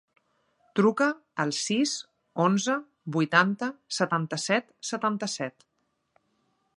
Truca al sis, onze, vuitanta, setanta-set, setanta-set.